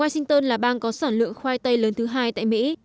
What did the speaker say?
washington là bang có sản lượng khoai tây lớn thứ hai tại mỹ